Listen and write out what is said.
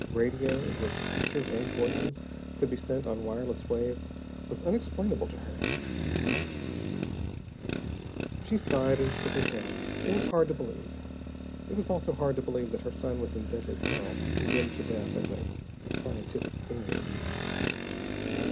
Radio, in which pictures and voices could be sent on wireless waves, was unexplainable to her. Perhaps She sighed, and shook her head. It was hard to believe. It was also hard to believe that her son was in deadly peril, condemned to death as a "scientific fiend."